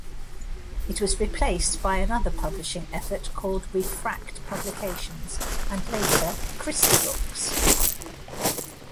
It was replaced by another publishing effort called Refract Publications and later ChristieBooks.